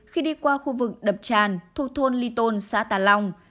khi đi qua khu vực đập tràn thuộc thôn ly tôn xã tà long